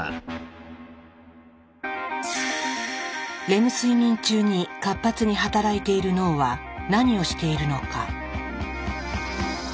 レム睡眠中に活発に働いている脳は何をしているのか？